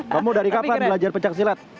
kamu dari kapan belajar pencaksilat